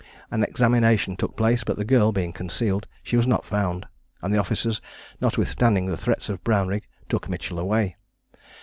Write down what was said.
An examination took place, but, the girl being concealed, she was not found; and the officers, notwithstanding the threats of Brownrigg, took Mitchell away.